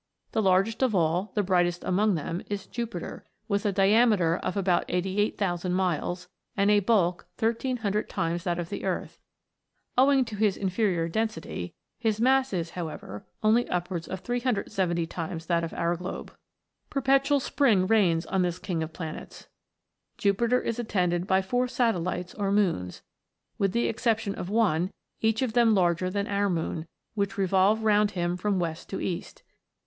The largest of all, the brightest among them, is Jupiter, with a diameter of about 88,000 miles, and a bulk 1 300 times that of the Earth ; owing to his infei ior density, his mass is, however, only upwards of 370 times that of our globe. Perpetual spring reigns on this King of Planets. Jupiter is attended by four satellites or moons, with the exception of one, each of them larger than our moon, which revolve round him from west to east.